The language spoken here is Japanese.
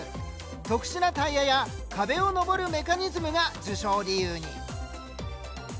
特殊なタイヤや壁を上るメカニズムが受賞理由に。